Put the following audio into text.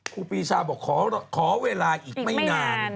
ครูปีชาบอกขอเวลาอีกไม่นาน